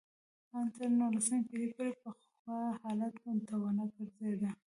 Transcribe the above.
ان تر نولسمې پېړۍ پورې پخوا حالت ته ونه ګرځېده